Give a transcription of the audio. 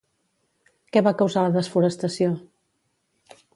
Què va causar la desforestació?